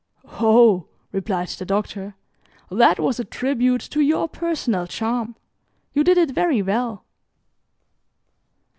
"Oh," replied the Doctor, "that was a tribute to your personal charm. You did it very well."